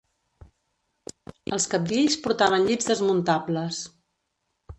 Els cabdills portaven llits desmuntables.